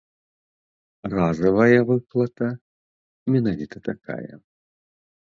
Разавая выплата менавіта такая.